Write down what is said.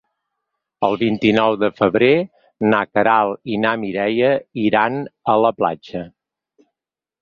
El vint-i-nou de febrer na Queralt i na Mireia iran a la platja.